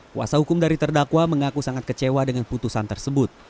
kuasa hukum dari terdakwa mengaku sangat kecewa dengan putusan tersebut